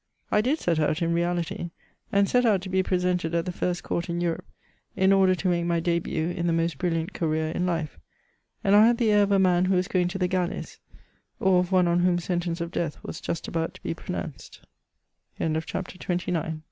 I did set out in reality ; and set out to be presented at the first court in Europe, in order to make my d^t in the most brilliant career in life ; and I had the air of a man who was going to the galleys, or of one on whom sentence of death was just abou